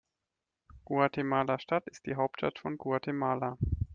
Guatemala-Stadt ist die Hauptstadt von Guatemala.